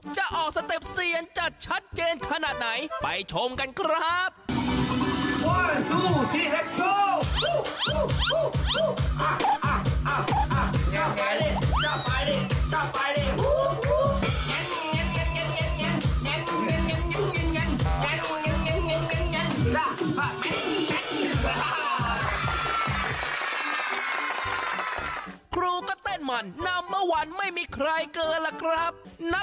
จะออกสเต็ปเสียงจะชัดเจนขนาดไหนไปชมกันครับ